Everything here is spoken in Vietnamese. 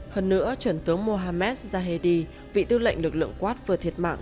hơn nữa truyền tướng mohammed zahedi vị tư lệnh lực lượng quát vừa thiệt mạng